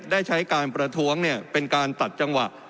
ได้ใช้การประท้วงเป็นการตัดจังหวะ